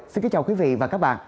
xin kính chào quý vị và các bạn